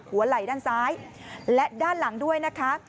หัวไหล่ด้านซ้ายและด้านหลังด้วยนะคะ